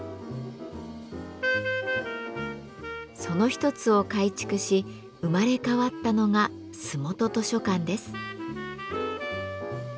その一つを改築し生まれ変わったのが洲本図書館です。